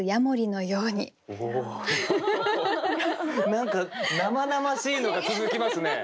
何か生々しいのが続きますね。